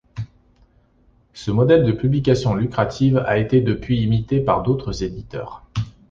Ce modèle de publication lucratif a été depuis imité par d'autres éditeurs.